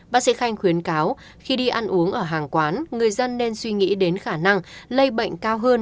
bác sĩ khanh khuyến cáo khi đi ăn uống ở hàng quán người dân nên suy nghĩ đến khả năng lây bệnh cao hơn